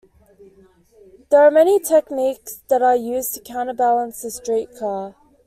There are many techniques that are used to counterbalance a street car.